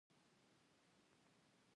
🐤چېچۍ